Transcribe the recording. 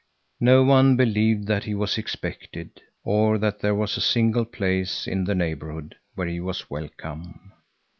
No one believed that he was expected, or that there was a single place in the neighborhood where he was welcome.